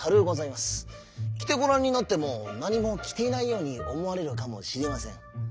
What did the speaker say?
きてごらんになってもなにもきていないようにおもわれるかもしれません。